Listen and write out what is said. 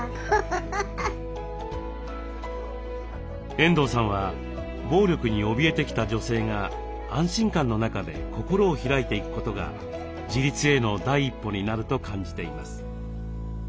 遠藤さんは暴力におびえてきた女性が安心感の中で心を開いていくことが自立への第一歩になると感じています。